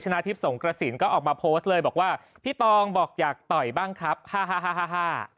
นาทิพย์สงกระสินก็ออกมาโพสต์เลยบอกว่าพี่ตองบอกอยากต่อยบ้างครับฮ่าฮ่าฮ่าฮ่าฮ่า